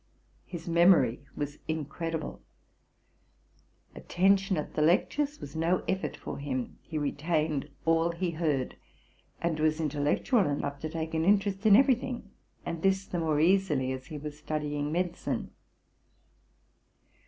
His memory was incredible ; attention at the lectures was no effort for him; he retained all he heard, and was intellectual enough to take an interest in every thing, and this the more easily, as he was studying med icine.